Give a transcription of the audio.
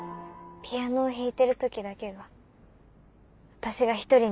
ピアノを弾いてる時だけは私が１人になれる。